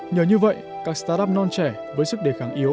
nhờ như vậy các start up non trẻ với sức đề kháng yếu